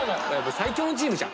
最強のチームじゃん。